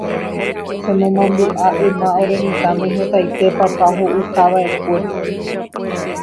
chemomandu'a yma ore mitãme hetaite papá ho'ukava'ekue